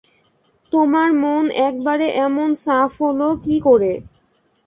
তোমার মন একেবারে এমন সাফ হল কী করে!